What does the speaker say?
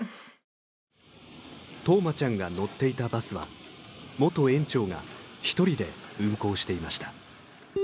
冬生ちゃんが乗っていたバスは元園長が１人で運行していました。